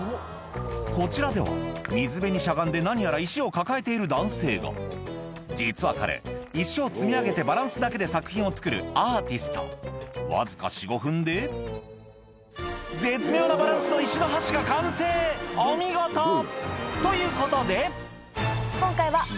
こちらでは水辺にしゃがんで何やら石を抱えている男性が実は彼石を積み上げてバランスだけで作品を作るアーティストわずか４５分で絶妙なバランスの石の橋が完成お見事！ということで今回は。